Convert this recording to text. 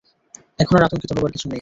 এখন আর আতঙ্কিত হবার কিছু নেই।